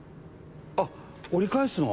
「あっ！折り返すの？」